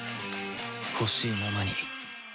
ほしいままに